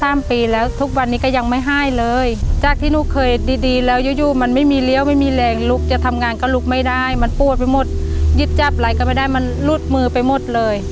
แรกความไม่ได้มันป้วนไปหมดยืดจับล้างก็ไม่ได้มันลูกปืนไปหมดเลย